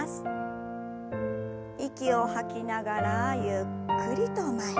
息を吐きながらゆっくりと前。